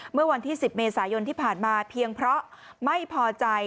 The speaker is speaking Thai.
เมื่อวันที่๑๐เมษายนที่ผ่านมาเพียงเพราะไม่พอใจ